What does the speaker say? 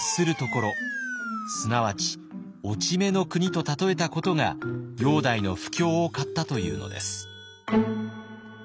すなわち落ち目の国と例えたことが煬帝の不興を買ったというのです。